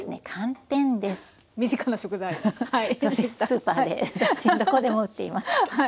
スーパーでどこでも売っています。